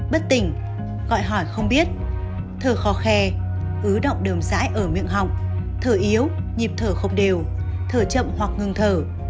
bất tỉnh gọi hỏi không biết thở khó khe ứ động đờm dãi ở miệng họng thở yếu nhịp thở không đều thở chậm hoặc ngừng thở